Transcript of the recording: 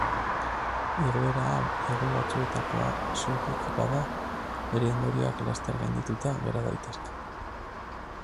Igoera hau egun batzuetakoa soilik bada, bere ondorioak laster gaindituta gera daitezke.